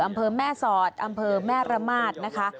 อำเภอแม่สอดอำเภอแม่ระมาทนะคะ